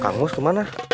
kang nies kemana